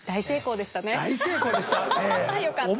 大成功でした！